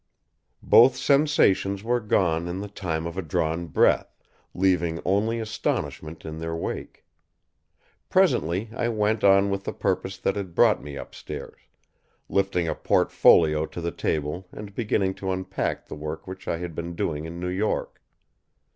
Both sensations were gone in the time of a drawn breath, leaving only astonishment in their wake. Presently I went on with the purpose that had brought me upstairs; lifting a portfolio to the table and beginning to unpack the work which I had been doing in New York.